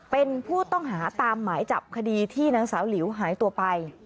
เป็นผู้ต้องหาตามหมายจับคดีที่นางสาวหลิวหายตัวไป